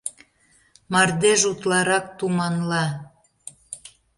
Мардеж утларак туманла.